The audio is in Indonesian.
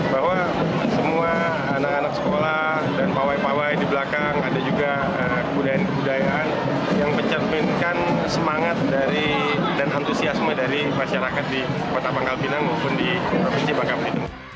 bahwa semua anak anak sekolah dan pawai pawai di belakang ada juga kebudayaan kebudayaan yang mencerminkan semangat dan antusiasme dari masyarakat di kota pangkal pinang maupun di provinsi bangka belitung